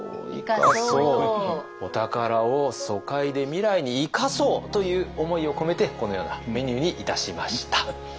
お宝を疎開で未来に生かそうという思いを込めてこのようなメニューにいたしました。